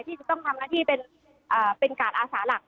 ที่จะต้องทำหน้าที่เป็นกาดอาสาหลัก